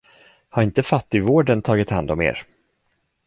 Har inte fattigvården tagit hand om er?